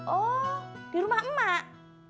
oh di rumah emak